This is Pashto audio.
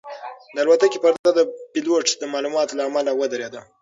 د الوتکې پرده د پیلوټ د معلوماتو له امله ودرېده.